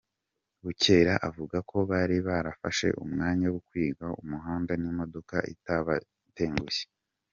Bukera avuga ko bari barafashe umwanya wo kwiga umuhanda n’imodoka itabatengushye.